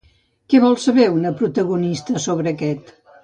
Què vol saber una protagonista sobre aquest?